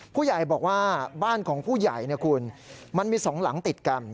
ผู้ใหญ่บอกว่าบ้านของผู้ใหญ่นะคุณมันมี๒หลังติดกัน